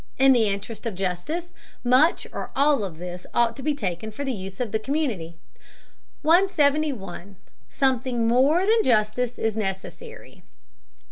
In the interest of justice, much or all of this ought to be taken for the use of the community. 171. SOMETHING MORE THAN JUSTICE IS NECESSARY.